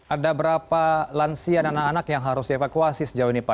ada berapa lansia dan anak anak yang harus dievakuasi sejauh ini pak